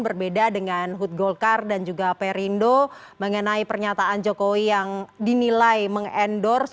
berbeda dengan hut golkar dan juga perindo mengenai pernyataan jokowi yang dinilai mengendorse